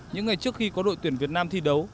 những ngày trước khi có đội tuyển việt nam thi đấu